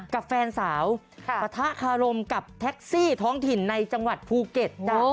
กับแฟนสาวปะทะคารมกับแท็กซี่ท้องถิ่นในจังหวัดภูเก็ตจ้ะ